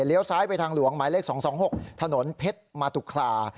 ซ้ายไปทางหลวงหมายเลข๒๒๖ถนนเพชรมาตุคลา